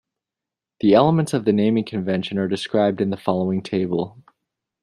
The elements of the naming convention are described in the following table.